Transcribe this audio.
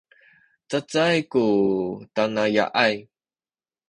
cacay ku tanaya’ay